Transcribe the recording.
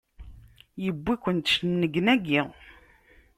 Yewwi-ken-d cennegnagi!